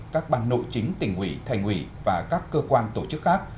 các ban nội chính tỉnh ủy thành ủy và các cơ quan tổ chức khác